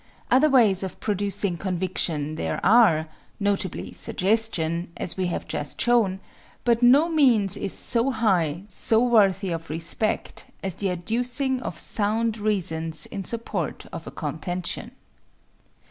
Other ways of producing conviction there are, notably suggestion, as we have just shown, but no means is so high, so worthy of respect, as the adducing of sound reasons in support of a contention.